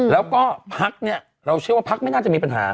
แล้วก็พักเนี่ยเราเชื่อว่าพักไม่น่าจะมีปัญหา